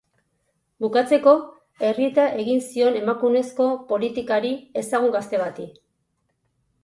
Bukatzeko, errieta egiten zion emakumezko politikari ezagun gazte bati.